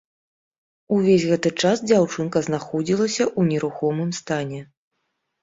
Увесь гэты час дзяўчынка знаходзілася ў нерухомым стане.